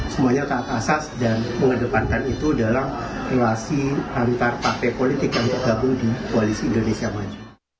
semuanya taat asas dan mengedepankan itu dalam relasi antar partai politik yang tergabung di koalisi indonesia maju